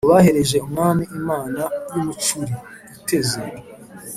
ngo bahereje umwami imana y'umucuri ( iteze ).